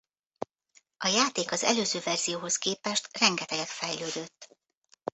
A játék az előző verzióhoz képest rengeteget fejlődött.